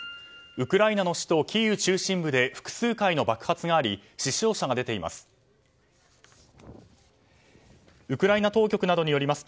ウクライナの首都キーウ中心部で複数回の爆発があり死傷者が出ています。